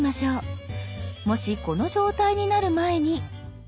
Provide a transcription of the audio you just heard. もしこの状態になる前に。